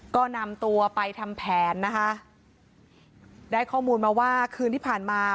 ก็นำตัวไปทำแผนนะคะได้ข้อมูลมาว่าคืนที่ผ่านมา